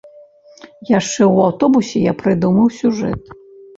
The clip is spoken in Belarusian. Яшчэ ў аўтобусе, я прыдумаў сюжэт.